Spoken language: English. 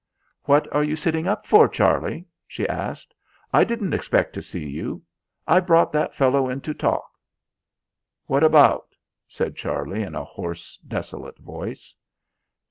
"What are you sitting up for, Charlie?" she asked. "I didn't expect to see you. I brought that fellow in to talk." "What about?" said Charlie in a hoarse desolate voice.